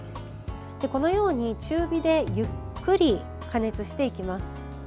このように、中火でゆっくり加熱していきます。